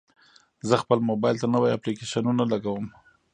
زه خپل موبایل ته نوي اپلیکیشنونه لګوم.